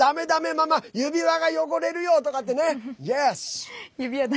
ママ、指輪が汚れるよ！とかって。